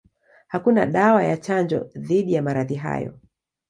Hakuna dawa ya chanjo dhidi ya maradhi hayo.